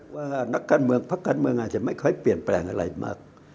ว่านักการเมืองพักการเมืองอาจจะไม่ค่อยเปลี่ยนแปลงอะไรมาก